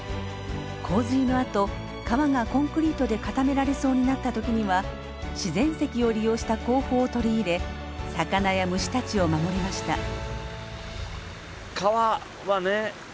洪水のあと川がコンクリートで固められそうになった時には自然石を利用した工法を取り入れ魚や虫たちを守りました。